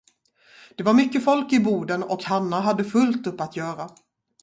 Det var mycket folk i boden och Hanna hade fullt upp att göra.